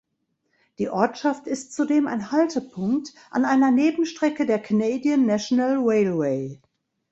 Die Ortschaft ist zudem ein Haltepunkt an einer Nebenstrecke der Canadian National Railway.